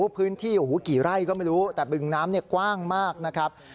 พื้นที่โอ้โหกี่ไร่ก็ไม่รู้แต่บึงน้ำกว้างมากนะครับ